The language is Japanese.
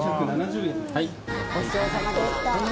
ごちそうさまでした。